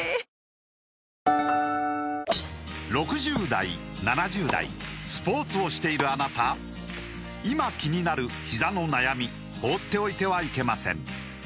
６０代７０代スポーツをしているあなた今気になるひざの悩み放っておいてはいけません